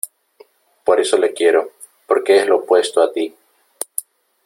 por eso le quiero , porque es lo opuesto a ti .